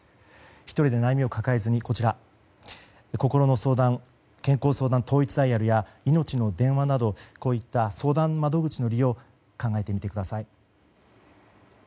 １人で悩みを抱えずにこころの健康相談統一ダイヤルやいのちの電話などこういった相談窓口の利用を考えてみてください。